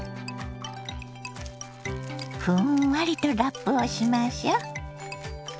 ふんわりとラップをしましょ。